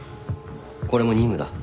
これも任務だ。